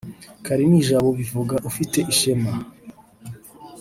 Kalinijabo bivuga ufite ishema